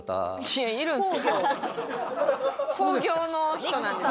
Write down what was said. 興業の人なんですよ。